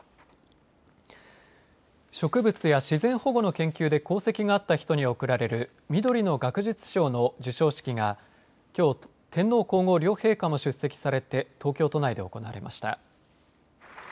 植物や自然保護の研究で功績があった人に行われるみどりの学術賞の授賞式がきょう、天皇皇后両陛下も出席されて東京都内で行われました。